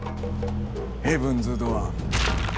ヘブンズ・ドアー。